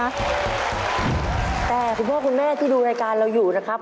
แต่คุณพ่อคุณแม่ที่ดูรายการเราอยู่นะครับ